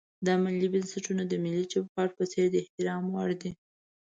دا ملي بنسټونه د ملي چوکاټ په څېر د احترام وړ دي.